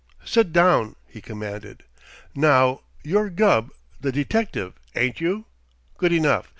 "Sit down," he commanded. "Now, you're Gubb, the detective, ain't you? Good enough!